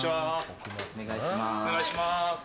お願いします。